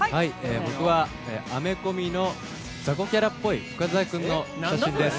僕は、アメコミの雑魚キャラっぽい深澤君の写真です。